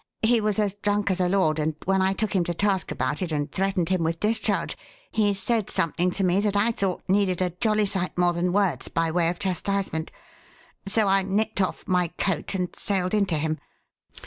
He was as drunk as a lord, and when I took him to task about it and threatened him with discharge, he said something to me that I thought needed a jolly sight more than words by way of chastisement, so I nipped off my coat and sailed into him.